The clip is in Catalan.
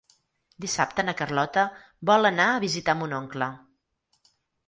Dissabte na Carlota vol anar a visitar mon oncle.